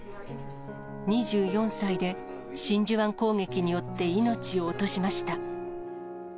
２４歳で真珠湾攻撃によって命を落としました。